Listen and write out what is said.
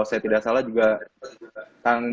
saya tidak salah juga kang bima